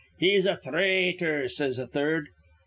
'He's a thraitor,' says a third.